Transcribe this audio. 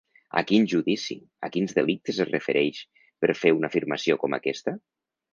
A quin judici, a quins delictes es refereix per fer una afirmació com aquesta?